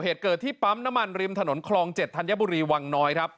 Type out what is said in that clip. เหตุเกิดที่ปั๊มน้ำมันริมถนนคลอง๗ธัญบุรีวังน้อยครับ